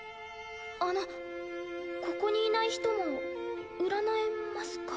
あのここにいない人も占えますか？